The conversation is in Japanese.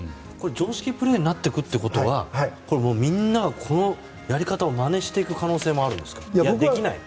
常識プレーになっていくということはみんながこのやり方をまねしていく可能性もありますか。